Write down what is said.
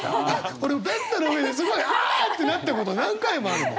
俺ベッドの上ですごいあ！ってなったこと何回もあるもん。